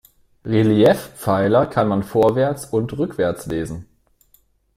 Reliefpfeiler kann man vorwärts und rückwärts lesen.